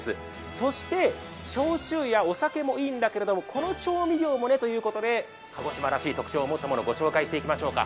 焼酎やお酒もいいんだけれども、この調味料もねということで鹿児島らしい特徴を持ったものご紹介していきましょうか。